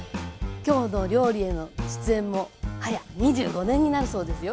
「きょうの料理」への出演も早２５年になるそうですよ。